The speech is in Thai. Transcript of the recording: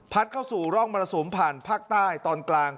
เข้าสู่ร่องมรสุมผ่านภาคใต้ตอนกลาง